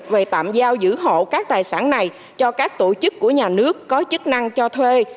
về tạm giao giữ hộ các tài sản này cho các tổ chức của nhà nước có chức năng cho thuê